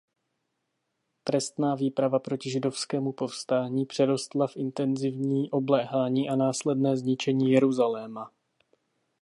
Trestná výprava proti židovskému povstání přerostla v intenzivní obléhání a následné zničení Jeruzaléma.